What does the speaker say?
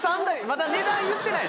まだ値段言ってない。